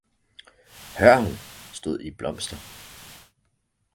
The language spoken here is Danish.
Hørren stod i blomster.